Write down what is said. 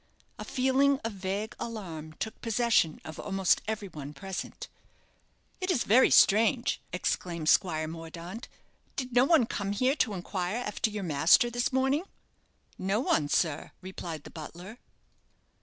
A feeling of vague alarm took possession of almost everyone present. "It is very strange," exclaimed Squire Mordaunt. "Did no one come here to inquire after your master this morning?" "No one, sir," replied the butler.